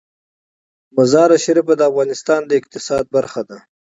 مزارشریف د افغانستان د اقتصاد برخه ده.